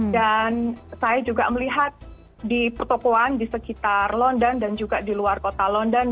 dan saya juga melihat di petokohan di sekitar london dan juga di luar kota london